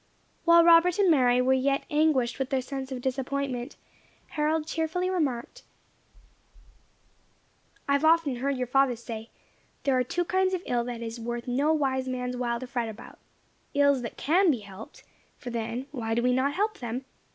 While Robert and Mary were yet anguished with their sense of disappointment, Harold cheerfully remarked: "I have often heard your father say, 'There are two kinds of ill that it is worth no wise man's while to fret about: Ills that can be helped, for then why do we not help them?